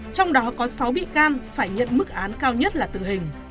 trong đó có sáu bị can phải nhận mức án cao nhất là tử hình